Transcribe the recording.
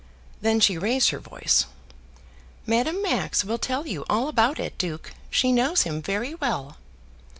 Then she raised her voice. "Madame Max will tell you all about it, duke. She knows him very well."